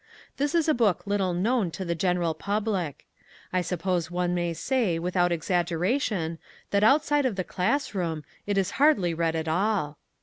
This is a book little known to the general public. I suppose one may say without exaggeration that outside of the class room it is hardly read at all.